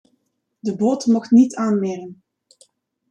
De boot mocht niet aanmeren.